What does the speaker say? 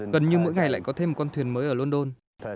gần như mỗi ngày lại có thêm một con thuyền mới ở london